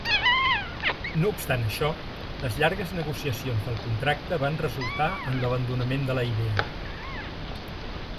No obstant això, les llargues negociacions del contracte van resultar en l'abandonament de la idea.